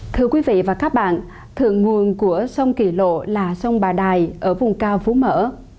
thưa quý vị và các bạn thượng nguồn của sông kỳ lộ là sông bà đài ở vùng cao phú mở